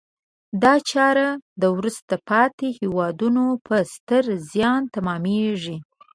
دا چاره د وروسته پاتې هېوادونو په ستر زیان تمامیږي.